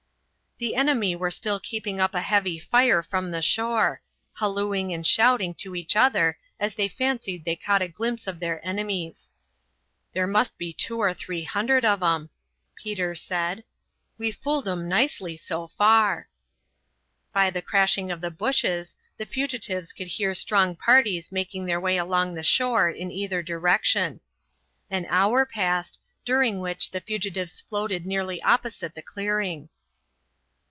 The enemy were still keeping up a heavy fire from the shore, hallooing and shouting to each other as they fancied they caught a glimpse of their enemies. "There must be two or three hundred of 'em," Peter said. "We've fooled 'em nicely, so far." By the crashing of the bushes the fugitives could hear strong parties making their way along the shore in either direction. An hour passed, during which the fugitives floated nearly opposite the clearing.